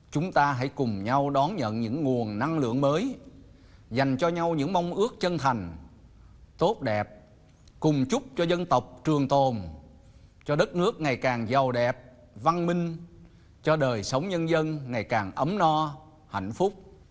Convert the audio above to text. chúng ta hãy cùng nhau đón nhận những nguồn năng lượng mới dành cho nhau những mong ước chân thành tốt đẹp cùng chúc cho dân tộc trường tồn cho đất nước ngày càng giàu đẹp văn minh cho đời sống nhân dân ngày càng ấm no hạnh phúc